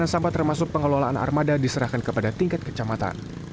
sampah termasuk pengelolaan armada diserahkan kepada tingkat kecamatan